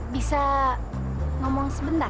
bisa ngomong sebentar